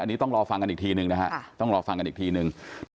อันนี้ต้องรอฟังกันอีกทีหนึ่ง